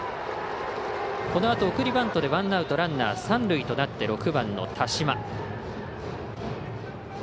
このあと、送りバントでワンアウトランナー三塁となって６番の田嶋。